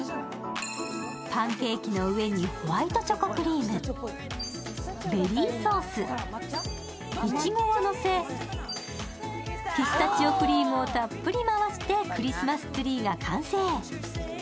パンケーキの上にホワイトチョコクリーム、ベリーソース、いちごを乗せ、ピスタチオクリームをたっぷり回してクリスマスツリーが完成。